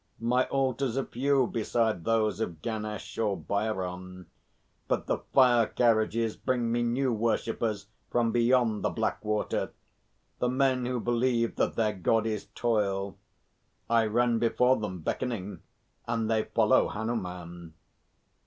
"My altars are few beside those of Ganesh or Bhairon, but the fire carriages bring me new worshippers from beyond the Black Water the men who believe that their God is toil. I run before them beckoning, and they follow Hanuman."